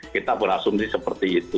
kita berasumsi seperti itu